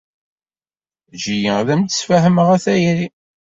Eǧǧ-iyi ad am-d-sfehmeɣ a tayri.